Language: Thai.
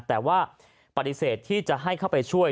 แต่ว่าปฏิเสธที่จะให้เข้าไปช่วย